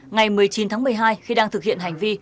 ngày một mươi chín tháng một mươi hai khi đang thực hiện hành vi